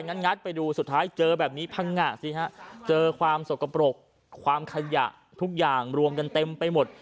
งัดไปดูสุดท้ายเจอแบบนี้พังงะสิฮะเจอความสกปรกความขยะทุกอย่างรวมกันเต็มไปหมด